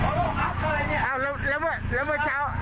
น้องรู้เปล่าน้องก็ด้วยคนที่ทำผิดกฎหมายนะจะบอกให้